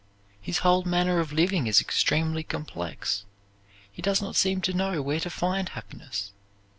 His whole manner of living is extremely complex. He does not seem to know where to find happiness.